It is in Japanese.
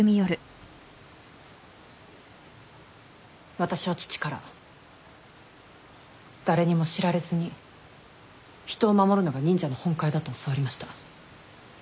私は父から誰にも知られずに「人」を守るのが忍者の本懐だと教わりました。